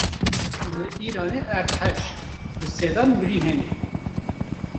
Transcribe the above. Li îranê erdhej: bi sedan mirî hene